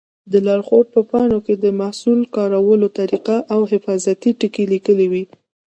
د لارښود په پاڼو کې د محصول کارولو طریقه او حفاظتي ټکي لیکلي وي.